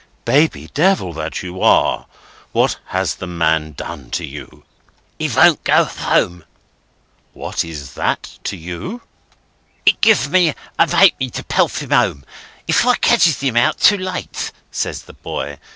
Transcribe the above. "Baby Devil that you are, what has the man done to you?" "He won't go home." "What is that to you?" "He gives me a 'apenny to pelt him home if I ketches him out too late," says the boy.